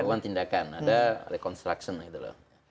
karuan tindakan ada reconstruction gitu loh